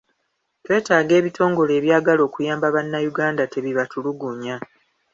Twetaaga ebitongole abyagala okuyamba bannayuganda tebibatulugunya.